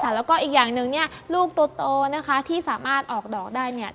แล้วก็อีกอย่างหนึ่งเนี่ยลูกโตนะคะที่สามารถออกดอกได้เนี่ย